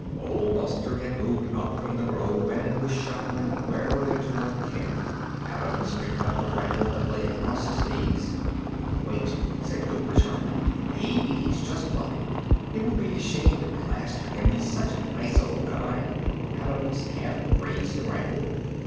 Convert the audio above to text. Old Buster had moved out from the grove and was shuffling warily toward the camp. Adams picked up the rifle that lay across his knees. "Wait," said Cooper sharply. "Maybe he's just bluffing. It would be a shame to plaster him; he's such a nice old guy." Adams half raised the rifle.